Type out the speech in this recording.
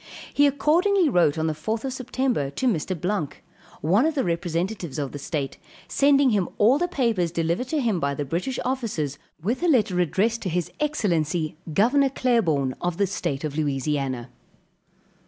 He accordingly wrote on the 4th September to Mr. Blanque, one of the representatives of the state, sending him all the papers delivered to him by the British officers with a letter addressed to his excellency, Gov. Claiborne of the state of Louisiana.